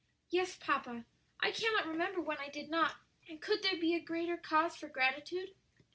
"Yes, papa; I cannot remember when I did not; and could there be a greater cause for gratitude?"